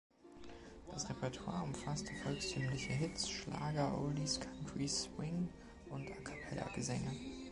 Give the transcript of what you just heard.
Das Repertoire umfasste volkstümliche Hits, Schlager, Oldies, Country, Swing und A-cappella-Gesänge.